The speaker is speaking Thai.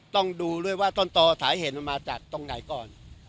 ต้องดูด้วยว่าต้นต่อสาเหตุมันมาจากตรงไหนก่อน